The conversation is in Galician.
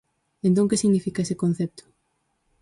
Entón, ¿que significa ese concepto?